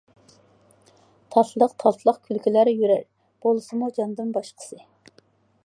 تاتلىق تاتلىق كۈلكىلەر يۈرەر، بولمىسىمۇ جاندىن باشقىسى.